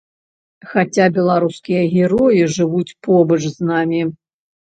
Хаця беларускія героі жывуць побач з намі.